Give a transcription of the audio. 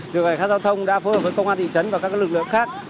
được rồi cảnh sát giao thông đã phối hợp với công an thị trấn và các lực lượng khác